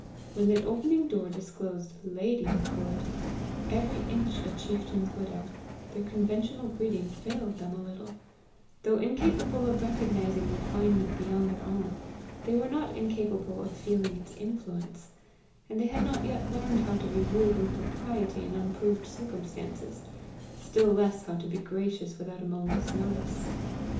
When the opening door disclosed "lady" Macruadh, every inch a chieftain's widow, their conventional breeding failed them a little; though incapable of recognizing a refinement beyond their own, they were not incapable of feeling its influence; and they had not yet learned how to be rude with propriety in unproved circumstances still less how to be gracious without a moment's notice.